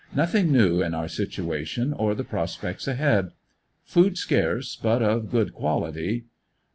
Nothing new in our situation or the prospects ahead Food scarce, but of good quality.